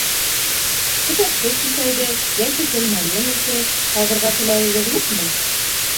Кеҫәртке киҫәге йәки тәлмәрйен ите ҡабырға теләгегеҙ юҡмы?